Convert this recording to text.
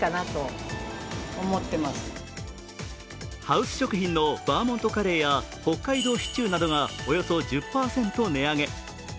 ハウス食品のバーモントカレーや北海道シチューなどがおよそ１０％値上げ。